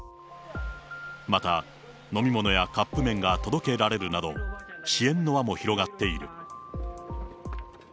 また飲み物やカップ麺が届けられるなど、支援の輪も広がっている。